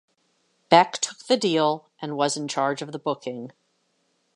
Beck took the deal, and was in charge of the booking.